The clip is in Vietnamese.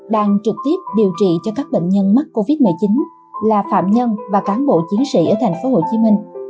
đang trực tiếp điều trị cho các bệnh nhân mắc covid một mươi chín là phạm nhân và cán bộ chiến sĩ ở thành phố hồ chí minh